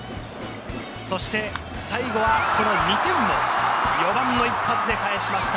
そして最後はその２点を４番の一発で返しました。